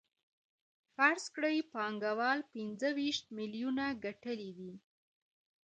فرض کړئ پانګوال پنځه ویشت میلیونه ګټلي دي